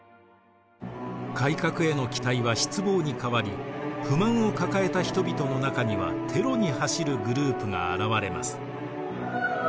改革への期待は失望に変わり不満を抱えた人々の中にはテロに走るグループが現れます。